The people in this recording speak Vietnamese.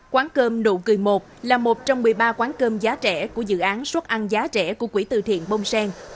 quán cơm nụ cười một là một trong một mươi ba quán cơm giá trẻ của dự án suất ăn giá trẻ của quỹ từ thiện bông sen